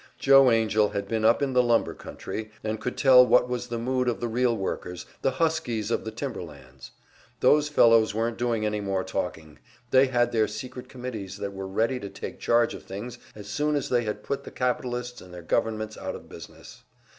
Joe Angell had been up in the lumber country, and could tell what was the mood of the real workers, the "huskies" of the timberlands. Those fellows weren't doing any more talking; they had their secret committees that were ready to take charge of things as soon as they had put the capitalists and their governments out of business.